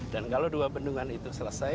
dan kalau dua bendungan itu selesai